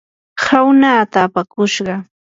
hawnaata apakushqa.